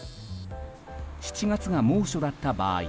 ７月が猛暑だった場合